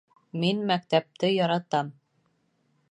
Мин мәктәпте яратам